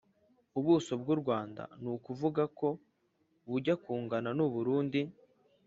ubuso bwu rwanda ni ukuvuga ko bujya kungana n'u burundi